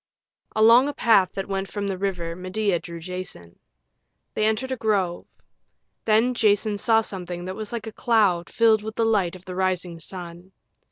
Along a path that went from the river Medea drew Jason. They entered a grove. Then Jason saw something that was like a cloud filled with the light of the rising sun.